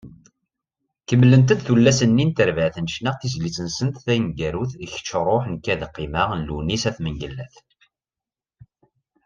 Kemmlent-d tullas-nni n terbaɛt n ccna tizlit-nsent taneggarut “Kečč ruḥ, nekk ad qqimeɣ” n Lewnis At Mengellat.